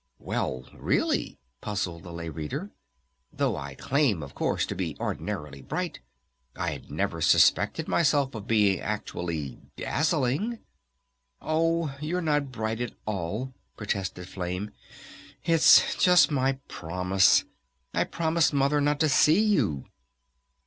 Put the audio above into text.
"Well, really," puzzled the Lay Reader. "Though I claim, of course, to be ordinarily bright I had never suspected myself of being actually dazzling." "Oh, you're not bright at all," protested Flame. "It's just my promise. I promised Mother not to see you!"